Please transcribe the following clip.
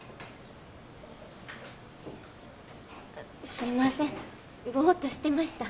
すいませんボッとしてました。